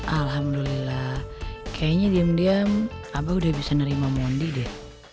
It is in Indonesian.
alhamdulillah kayaknya diam diam abah udah bisa nerima mondi deh